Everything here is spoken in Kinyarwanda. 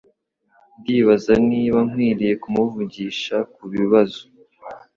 Ndibaza niba nkwiye kumuvugisha kubibazo.